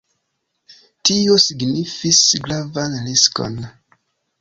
Tio signifis gravan riskon.